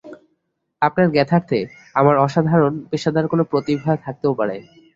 আপনার জ্ঞাতার্থে, আমার অসাধারণ পেশাদার কোন প্রতিভা থাকতেও পারে।